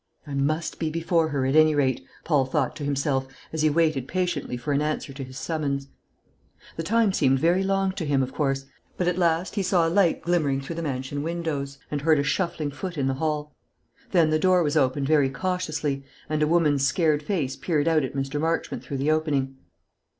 "I must be before her, at any rate," Paul thought to himself, as he waited patiently for an answer to his summons. The time seemed very long to him, of course; but at last he saw a light glimmering through the mansion windows, and heard a shuffling foot in the hall. Then the door was opened very cautiously, and a woman's scared face peered out at Mr. Marchmont through the opening.